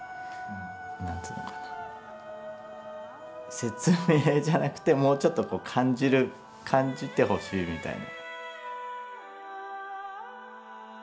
何ていうのかな説明じゃなくてもうちょっと感じてほしいみたいな。